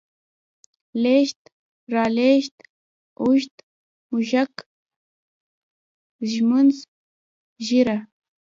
لېږد، رالېږد، اوږد، موږک، ږمنځ، ږيره